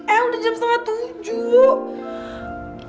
eh udah jam setengah tujuh